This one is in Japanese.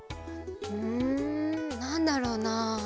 うんなんだろうな？